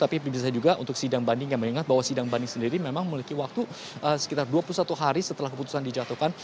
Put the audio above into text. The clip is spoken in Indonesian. tapi bisa juga untuk sidang banding yang mengingat bahwa sidang banding sendiri memang memiliki waktu sekitar dua puluh satu hari setelah keputusan dijatuhkan